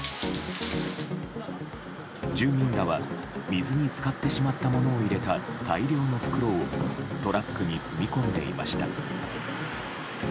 住民らは水に浸かってしまったものを入れた大量の袋をトラックに積み込んでいました。